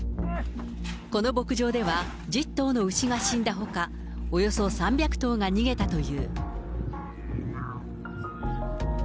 この牧場では１０頭の牛が死んだほか、およそ３００頭が逃げたという。